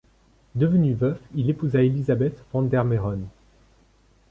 Devenu veuf, il épousa Élisabeth Van der Meeren.